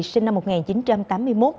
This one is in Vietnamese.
sinh năm một nghìn chín trăm tám mươi một